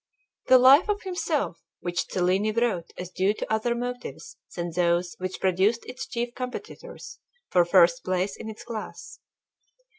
The "Life" of himself which Cellini wrote was due to other motives than those which produced its chief competitors for first place in its class.